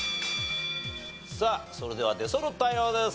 さあそれでは出そろったようです。